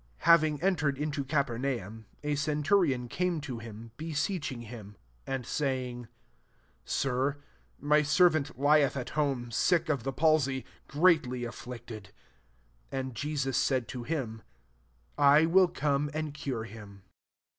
'* 5 Having entered into Capev* naum, a centurion came to hi»y beseeching him, 6 and sayings '^ Sir, my servant lieth at home dck of the palsy, greatly afflieth ed.'* 7 And Jesus said to him^ " I will come and cure him.'